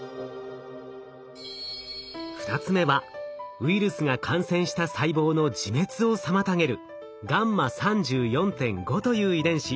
２つ目はウイルスが感染した細胞の自滅を妨げるγ３４．５という遺伝子。